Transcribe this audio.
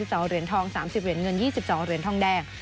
๒เหรียญทอง๓๐เหรียญเงิน๒๒เหรียญทองแดง